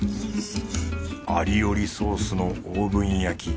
アリオリソースのオーブン焼き。